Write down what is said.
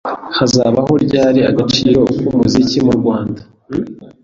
Hazabaho ryari agaciro k'umuziki mu Rwanda